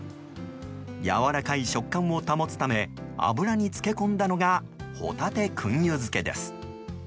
やわらかい食感を保つため油に漬け込んだのがほたて燻油漬です。